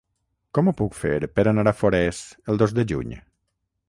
Com ho puc fer per anar a Forès el dos de juny?